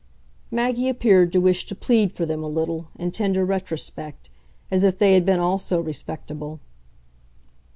Maggie appeared to wish to plead for them a little, in tender retrospect as if they had been also respectable.